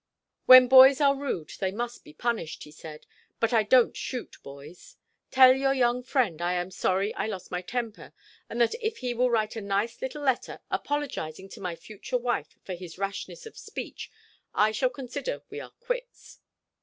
"When boys are rude they must be punished," he said, "but I don't shoot boys. Tell your young friend I am sorry I lost my temper; and that if he will write a nice little letter, apologising to my future wife for his rashness of speech, I shall consider we are quits."